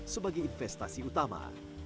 sebagai investasi utama